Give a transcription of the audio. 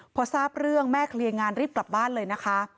พอทราบเรื่องแม่เคลียร์งานรีบกลับบ้านเลยนะคะ